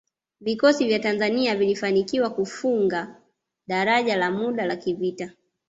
Vikosi vya Tanzania vilifanikiwa kufunga daraja la muda la kivita